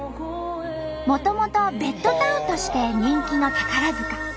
もともとベッドタウンとして人気の宝塚。